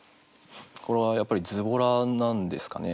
これはやっぱりズボラなんですかね。